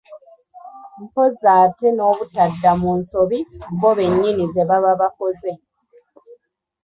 Mpozzi ate nobutadda mu nsobi bo bennyini ze baba bakoze.